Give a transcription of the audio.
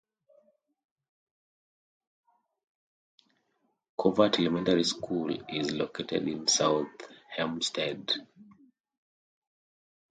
Covert Elementary School is located in South Hempstead.